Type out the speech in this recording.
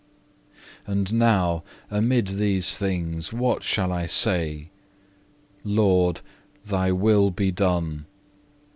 2. And now amid these things what shall I say? Lord, Thy will be done.